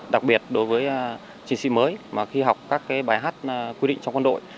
đặc biệt đối với chiến sĩ mới mà khi học các bài hát quy định trong quân đội